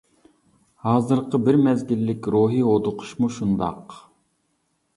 ھازىرقى بىر مەزگىللىك روھىي ھودۇقۇشمۇ شۇنداق.